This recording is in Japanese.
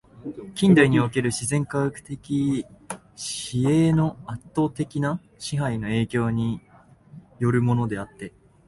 近代における自然科学的思惟の圧倒的な支配の影響に依るものであって、